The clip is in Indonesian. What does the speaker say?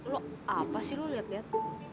lo apa sih lu liat liat